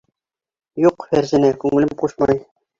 Юҡ, Фәрзәнә, күңелем ҡушмай...